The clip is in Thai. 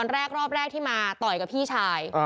แรกรอบแรกที่มาต่อยกับพี่ชาย